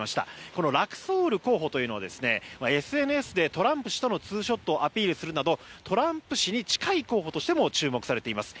このラクソール候補というのはＳＮＳでトランプ氏とのツーショットをアピールするなどトランプ氏に近い候補としても注目されています。